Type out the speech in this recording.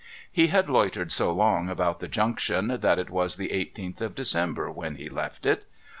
He had loitered so long about the Junction that it was the eighteenth of December when he left it.